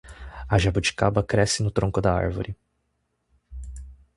A jabuticaba cresce no tronco da árvore.